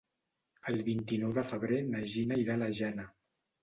El vint-i-nou de febrer na Gina irà a la Jana.